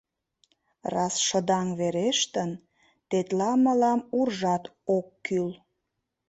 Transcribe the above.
— Раз шыдаҥ верештын, тетла мылам уржат ок кӱл.